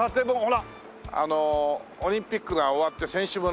あのオリンピックが終わって選手村。